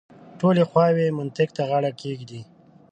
ټولې خواوې منطق ته غاړه کېږدي.